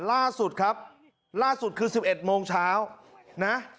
ล่าสุดครับล่าสุดคือ๑๑โมงเช้านะ